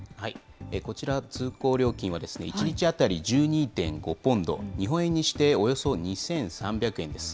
こちら、通行料金は１日当たり１２．５ポンド、日本円にしておよそ２３００円です。